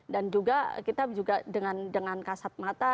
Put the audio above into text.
dan juga kita juga dengan kasat mata